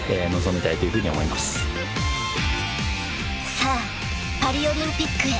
［さあパリオリンピックへ］